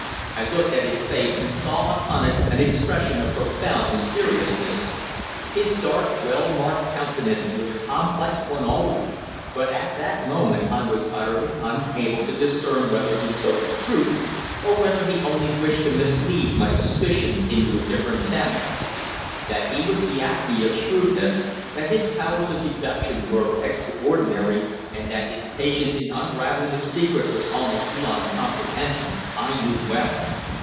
I looked at his face, and saw upon it an expression of profound mysteriousness. His dark, well marked countenance was a complex one always, but at that moment I was utterly unable to discern whether he spoke the truth, or whether he only wished to mislead my suspicions into a different channel. That he was the acme of shrewdness, that his powers of deduction were extraordinary, and that his patience in unravelling a secret was almost beyond comprehension I knew well.